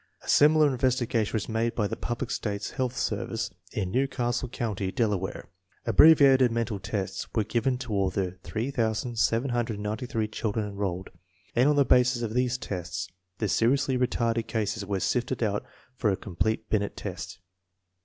A similar in vestigation was made by the United States Public Health Service in New Castle County, Delaware. Abbreviated mental tests were given to all the 8798 children enrolled, and on the basis of these tests the seriously retarded cases were sifted out for a com plete Binet test.